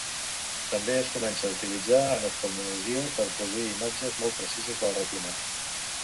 També es comença a utilitzar en oftalmologia per produir imatges molt precises de la retina.